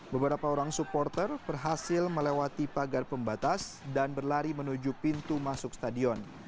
beberapa orang supporter berhasil melewati pagar pembatas dan berlari menuju pintu masuk stadion